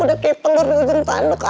udah kayak telur di ujung tanduk